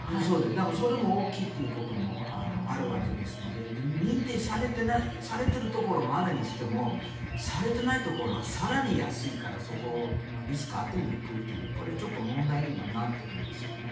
だからそれも大きいということもあるわけですので認定されているところもあるにしてもされていないところは更に安いからそこのリスクがあっても行くというこれはちょっと問題にはなっているんですよね。